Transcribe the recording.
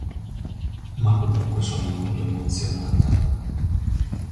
Ma comunque, sono molto emozionata.